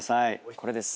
これです。